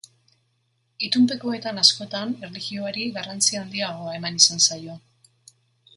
Itunpekoetan askotan erlijioari garrantzi handiagoa eman izan zaio.